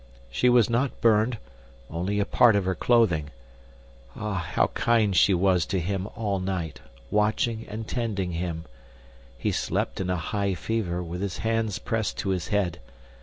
She was not burned, only a part of her clothing. Ah, how kind she was to him all night, watching and tending him. He slept in a high fever, with his hands pressed to his head.